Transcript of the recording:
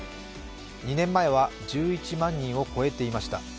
２年前は１１万人を超えていました。